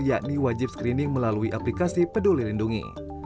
yakni wajib screening melalui aplikasi peduli lindungi